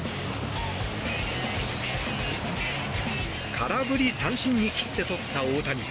空振り三振に切って取った大谷。